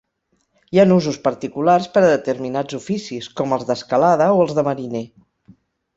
Hi ha nusos particulars per a determinats oficis, com els d'escalada o els de mariner.